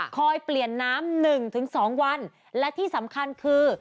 คอยเปลี่ยนน้ำ๑๒วันและที่สำคัญคือ